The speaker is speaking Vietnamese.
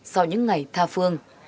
sau những ngày tha phương